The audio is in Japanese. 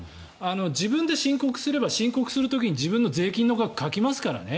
自分で申告すれば申告する時に自分の税金の額書きますからね。